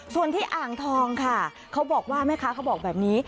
ส่วนที่อ่างทองค่ะเขาบอกว่าแม่ค้าเขาบอกแบบนี้